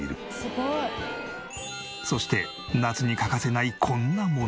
そして夏に欠かせないこんなものも。